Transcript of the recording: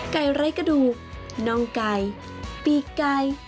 ไร้กระดูกน่องไก่ปีกไก่